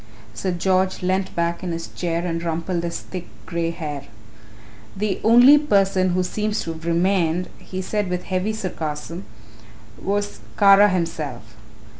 Sir George leant back in his chair and rumpled his thick grey hair. "The only person who seems to have remained," he said with heavy sarcasm, "was Kara himself.